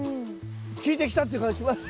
効いてきたって感じします！